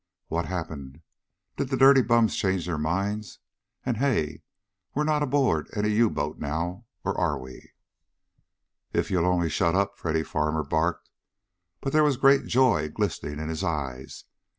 What happened? Did the dirty bums change their minds? And hey! We're not aboard any U boat now! Or are we?" "If you'll only shut up!" Freddy Farmer barked, but there was great joy glistening in his eyes.